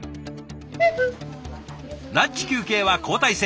ランチ休憩は交代制。